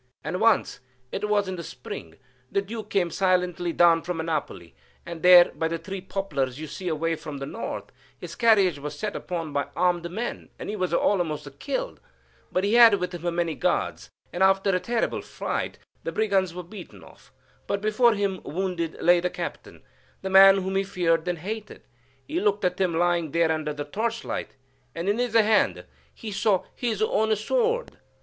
And once—it was in the spring—the Duke came silently down from Napoli, and there, by the three poplars you see away towards the north, his carriage was set upon by armed men, and he was almost killed; but he had with him many guards, and after a terrible fight the brigands were beaten off; but before him, wounded, lay the captain,—the man whom he feared and hated. He looked at him, lying there under the torchlight, and in his hand saw his own sword.